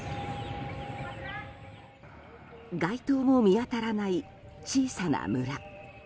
街灯も見当たらない小さな村。